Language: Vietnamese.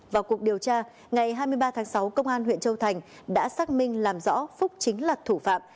vào cuộc điều tra ngày hai mươi ba tháng sáu công an huyện châu thành đã xác minh làm rõ phúc chính là thủ phạm